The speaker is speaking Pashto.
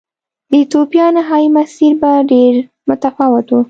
د ایتوپیا نهايي مسیر به ډېر متفاوت و.